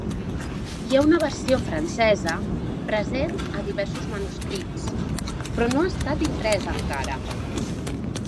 Hi ha una versió francesa present a diversos manuscrits, però no ha estat impresa encara.